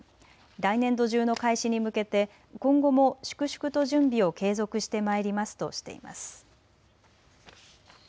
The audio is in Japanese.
来年度中の開始に向けて今後も粛々と準備を継続してまいりますとしています。